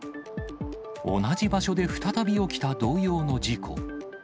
同じ場所で再び起きた同様の事故。